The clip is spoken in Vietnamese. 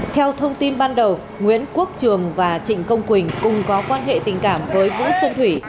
theo thông tin ban đầu nguyễn quốc trường và trịnh công quỳnh cùng có quan hệ tình cảm với vũ phương thủy